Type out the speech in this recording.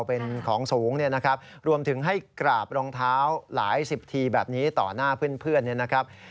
เป็นของสูงเนี่ยนะครับรวมถึงให้กราบรองเท้าหลายสิบทีแบบนี้ต่อหน้าเพื่อนเนี่ยนะครับ